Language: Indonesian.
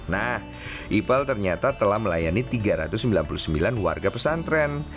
nah ipal ternyata telah melayani tiga ratus sembilan puluh sembilan warga pesantren